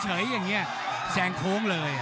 แต่มันรถ๙๑๑โดนเดินทุกติดเลย